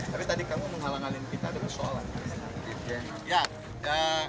tapi tadi kamu menghalang halin kita dengan soalan